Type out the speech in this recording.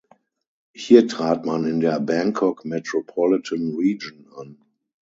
Hier trat man in der "Bangkok Metropolitan Region" an.